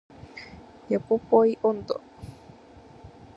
ヨポポイ音頭